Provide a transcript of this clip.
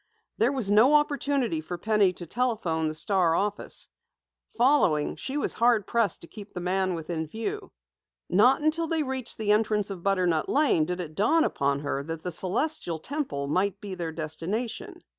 There was no opportunity for Penny to telephone the Star office. Following, she was hard pressed to keep the man within view. Not until they reached the entrance of Butternut Lane did it dawn upon her that the Celestial Temple might be their destination.